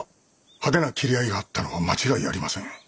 派手な斬り合いがあったのは間違いありません。